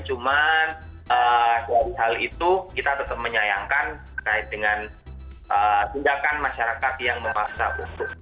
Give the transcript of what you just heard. cuman hal itu kita tetap menyayangkan terkait dengan tindakan masyarakat yang memaksa mudik